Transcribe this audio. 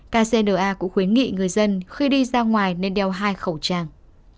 kcna cũng khuyến nghị người dân khi đi ra ngoài nên đeo hai khẩu trang